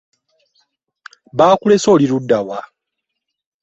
Bakulese oli ludda wa?